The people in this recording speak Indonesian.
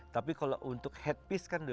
tapi kalau untuk hatepis kan